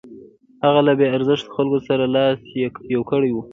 هغه له بې ارزښتو خلکو سره لاس یو کړی دی.